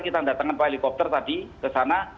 kita mendatangkan helikopter tadi ke sana